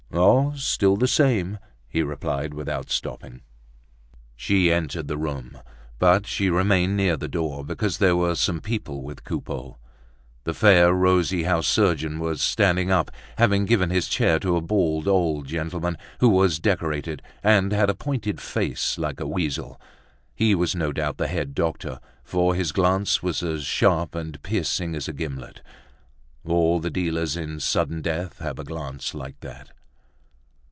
"Oh! still the same!" he replied without stopping. She entered the room, but she remained near the door, because there were some people with Coupeau. The fair, rosy house surgeon was standing up, having given his chair to a bald old gentleman who was decorated and had a pointed face like a weasel. He was no doubt the head doctor, for his glance was as sharp and piercing as a gimlet. All the dealers in sudden death have a glance like that.